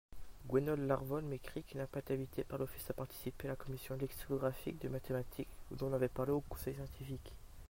Gwenole Larvol m'écrit qu'il n'a pas été invité par l'Office à participer à la commision lexicographique de mathématique dont on avait parlé au conseil scientifique.